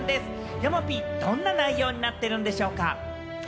山Ｐ、どんな内容になってるんでしょうか？